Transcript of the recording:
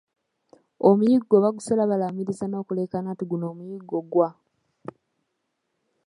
Omuyiggo bagusera balamiiriza nokuleekana nti 'guno omuyiggo gwa.